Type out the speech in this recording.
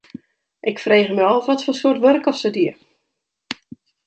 Ik frege my ôf watfoar soarte wurk oft se die.